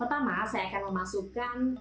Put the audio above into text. pertama saya akan memasukkan